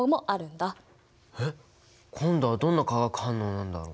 えっ今度はどんな化学反応なんだろう？